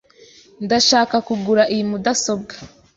Ndashaka kugura iyi mudasobwa .